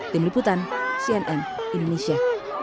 tim liputan cnn indonesia